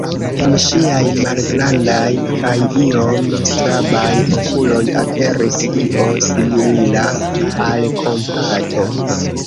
En ŝiaj malgrandaj kaj iom strabaj okuloj aperis io simila al kompato.